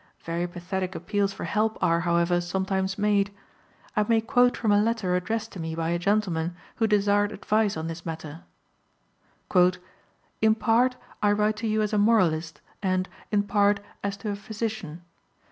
Very pathetic appeals for help are, however, sometimes made. I may quote from a letter addressed to me by a gentleman who desired advice on this matter: "In part, I write to you as a moralist and, in part, as to a physician.